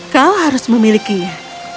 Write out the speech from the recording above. kau harus memilikinya